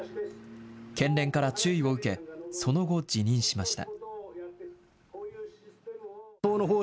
県連から注意を受け、その後、辞任しました。